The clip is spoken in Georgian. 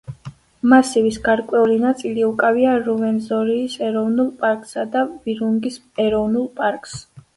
მასივის გარკვეული ნაწილი უკავია რუვენზორის ეროვნულ პარკსა და ვირუნგის ეროვნულ პარკს.